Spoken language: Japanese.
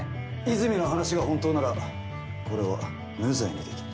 泉の話が本当ならこれは無罪にできる。